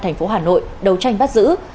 thành phố hà nội đấu tranh bắt giữ